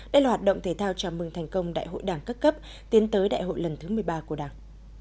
đây là hoạt động thể thao chào mừng thành công đại hội đảng các cấp tiến tới đại hội lần thứ một mươi ba của đảng